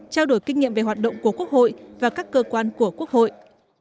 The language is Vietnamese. trao đổi kinh nghiệm về hoạt động của quốc hội và các cơ quan của quốc hội